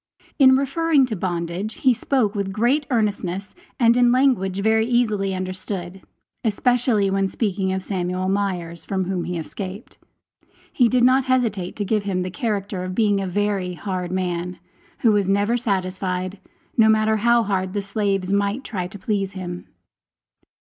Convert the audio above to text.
In referring to bondage, he spoke with great earnestness, and in language very easily understood; especially when speaking of Samuel Myers, from whom he escaped, he did not hesitate to give him the character of being a very hard man, who was never satisfied, no matter how hard the slaves might try to please him.